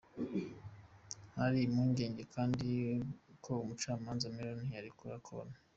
Hari impungenge kandi ko Umucamanza Meron, yarekura Col.